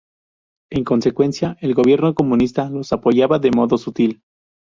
En consecuencia, el gobierno comunista los apoyaba de modo sutil.